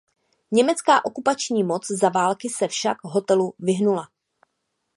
Německá okupační moc za války se však hotelu vyhnula.